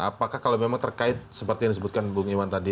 apakah kalau memang terkait seperti yang disebutkan bung iwan tadi